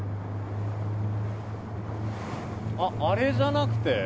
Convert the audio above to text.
あれじゃなくて？